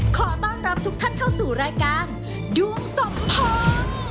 ขอต้อนรับทุกท่านเข้าสู่รายการดวงสมพงษ์